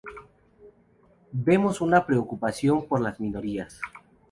Vemos una preocupación por las minorías.